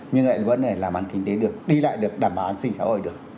nhưng lại vấn đề làm ăn kinh tế được đi lại được đảm bảo an sinh xã hội được